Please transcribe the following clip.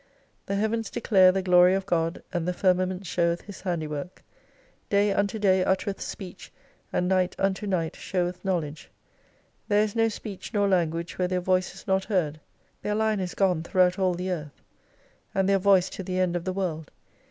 The Heavens declare the glory of God, and the firmament showeth His handiwork. Day unto day uttereih speech, and night unto night showeth ktioivledge. There is no speech nor language where their voice is not heard. Their line is gone throughout all the earth, and their voice to the end of the world.